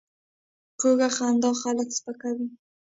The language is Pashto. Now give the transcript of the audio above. کوږه خندا خلک سپکوي